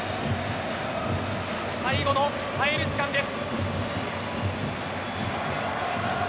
最後の耐える時間です。